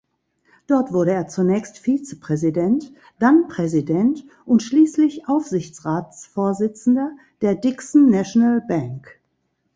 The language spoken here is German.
Dort wurde er zunächst Vizepräsident, dann Präsident und schließlich Aufsichtsratsvorsitzender der "Dixon National Bank".